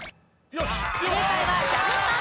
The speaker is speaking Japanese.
正解はジャムパン。